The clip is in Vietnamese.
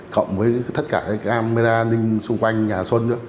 cộng với tất cả cái camera ninh xung quanh nhà xuân nữa